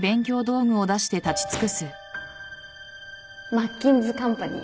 マッキンズカンパニー。